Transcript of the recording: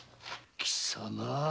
貴様！？